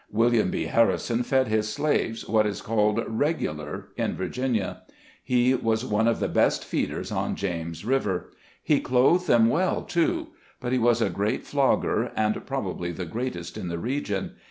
William B. Harrison fed his slaves what is called "regular" in Virginia; he was one of the best feeders on James River. He clothed them well, FARMS ADJOINING EDLOE'S. 165 too ; but he was a great flogger, and probably the greatest in the region.